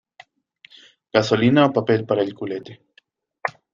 gasolina o papel para el culete.